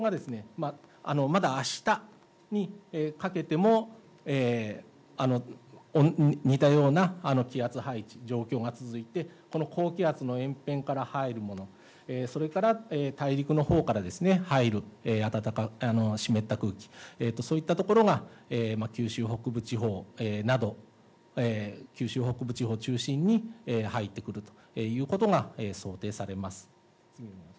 この状況がまだ、あしたにかけても似たような気圧配置、状況が続いて、この高気圧のえんせんから入るもの、それから大陸のほうから入る、暖かく湿った空気、そういったところが九州北部地方など、九州北部地方を中心に入ってくるということが想定されます。